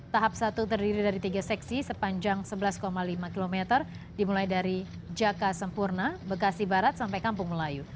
tahap satu terdiri dari tiga seksi sepanjang sebelas lima km dimulai dari jaka sempurna bekasi barat sampai kampung melayu